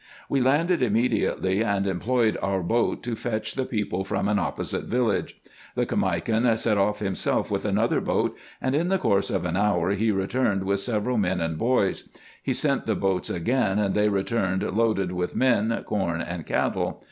We landed immediately, and employed our boat to fetch the people from an opposite village. The Caimakan set off himself with another boat, and in the course of an hour he returned with several men and boys. He sent the boats again, and they returned loaded with men, corn, and cattle.